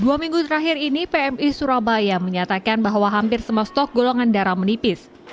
dua minggu terakhir ini pmi surabaya menyatakan bahwa hampir semua stok golongan darah menipis